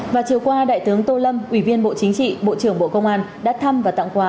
và chiều qua đại tướng tô lâm ủy viên bộ chính trị bộ trưởng bộ công an đã thăm và tặng quà